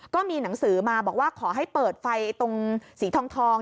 ก็มีหนังสือมาบอกว่าขอให้เปิดไฟตรงสีทอง